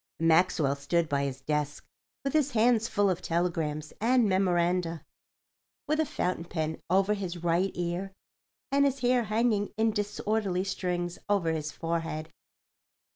Maxwell stood by his desk with his hands full of telegrams and memoranda, with a fountain pen over his right ear and his hair hanging in disorderly strings over his forehead.